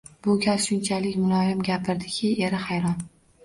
Bu gal shunchalik muloyim gapirdiki, eri hayron